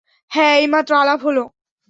হ্যাঁ, এইমাত্র আলাপ হল।